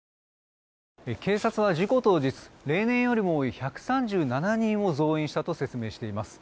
警察は事故当日例年よりも多い１３７人を増員したと説明しています。